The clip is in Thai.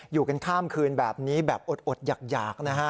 อยู่กันข้ามคืนแบบนี้แบบอดอยากนะฮะ